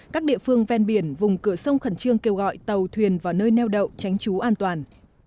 các địa phương ven biển vùng cửa sông khẩn trương kêu gọi tàu thuyền vào nơi neo đậu tránh trú an toàn